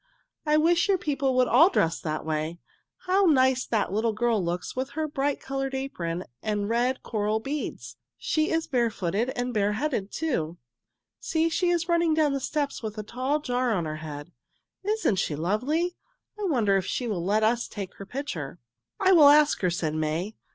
"I wish your people would all dress that way. How nice that little girl looks with her bright colored apron and red coral beads. She is barefooted and bareheaded, too." [Illustration: "Isn't she lovely?"] "See, she is running down the steps with a tall jar on her head. Isn't she lovely? I wonder if she will let us take her picture." "I will ask her," said May.